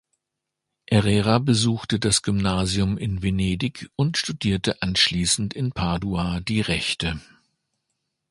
Errera besuchte das Gymnasium in Venedig und studierte anschließend in Padua die Rechte.